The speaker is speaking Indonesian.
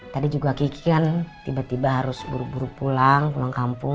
tadi juga kiki kan tiba tiba harus buruk buruk pulang pulang kampung